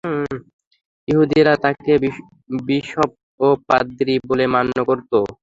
ইহুদীরা তাকে বিশপ ও পাদ্রী বলে মান্য করত।